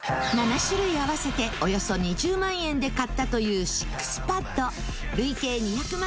７種類合わせておよそ２０万円で買ったというＳＩＸＰＡＤ。